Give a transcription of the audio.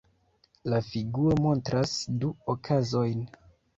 La figuro montras du okazojn.